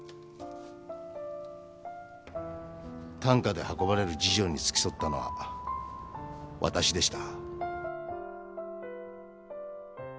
担架で運ばれる次女に付き添ったのはわたしでした。